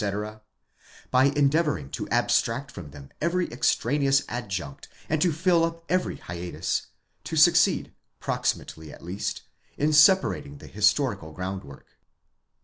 —by endeavouring to abstract from them every extraneous adjunct and to fill up every hiatus—to succeed, proximately at least, in separat ing the historical groundwork.